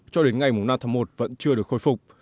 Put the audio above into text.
cho đến ngày năm tháng một vẫn chưa được khôi phục